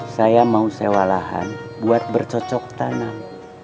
saya mau sewa lahan buat bercocok tanam